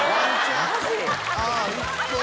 マジ？